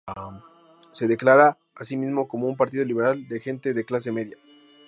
Se declara a sí mismo como un partido liberal de gente de clase media.